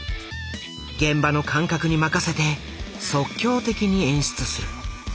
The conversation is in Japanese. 現場の感覚に任せて即興的に演出する。